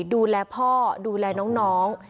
ดูแลพ่อดูแลน้อง